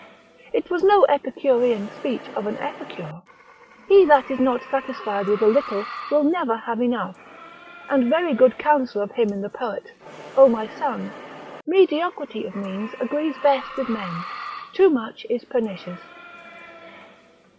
It was no epicurean speech of an epicure, he that is not satisfied with a little will never have enough: and very good counsel of him in the poet, O my son, mediocrity of means agrees best with men; too much is pernicious.